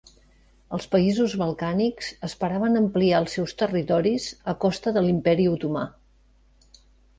Els països balcànics esperaven ampliar els seus territoris a costa de l'Imperi Otomà.